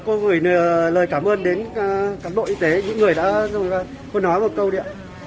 cô gửi lời cảm ơn đến cản bộ y tế những người đã hôn hóa một câu đi ạ